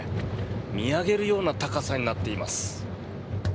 見上げるような高さになっています。